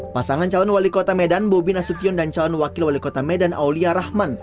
pasangan calon wali kota medan bobi nasution dan calon wakil wali kota medan aulia rahman